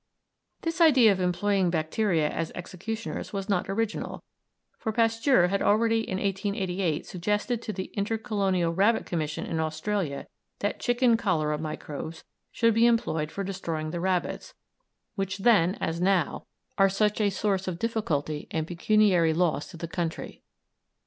This idea of employing bacteria as executioners was not original, for Pasteur had already in 1888 suggested to the Intercolonial Rabbit Commission in Australia that chicken cholera microbes should be employed for destroying the rabbits, which then, as now, are such a source of difficulty and pecuniary loss to the country.